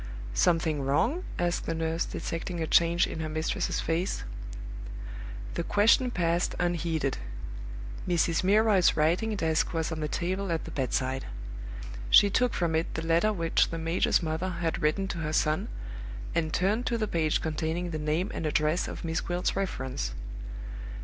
"Something wrong?" asked the nurse, detecting a change in her mistress's face. The question passed unheeded. Mrs. Milroy's writing desk was on the table at the bedside. She took from it the letter which the major's mother had written to her son, and turned to the page containing the name and address of Miss Gwilt's reference.